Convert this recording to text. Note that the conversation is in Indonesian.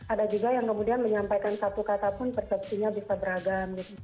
ada juga yang kemudian menyampaikan satu kata pun persepsinya bisa beragam